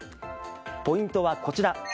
ポイントはこちら。